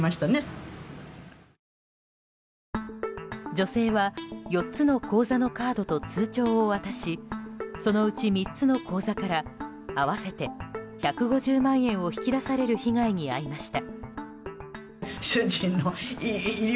女性は４つの口座のカードと通帳を渡しそのうち３つの口座から合わせて１５０万円を引き出される被害に遭いました。